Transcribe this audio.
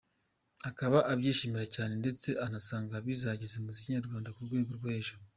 Akaba abyishimira cyane ndetse anasanga bizageza umuziki nyarwanda ku rwego rwo hejuru.